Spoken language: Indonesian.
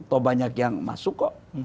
toh banyak yang masuk kok